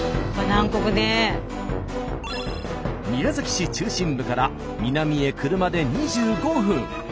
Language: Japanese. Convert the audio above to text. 宮崎市中心部から南へ車で２５分。